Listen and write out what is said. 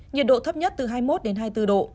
nhiệt độ thấp nhất từ hai mươi một đến hai mươi bốn độ